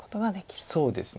そうですね。